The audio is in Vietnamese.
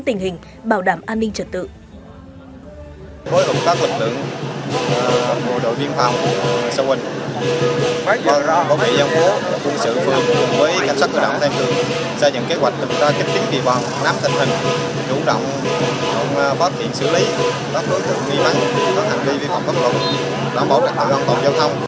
đi về phòng tập hợp đảm bảo trả lòng tổng giao thông